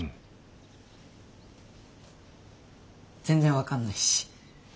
全然分かんないし。